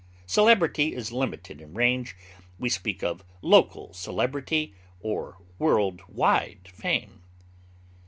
Celebrity is limited in range; we speak of local celebrity, or world wide fame.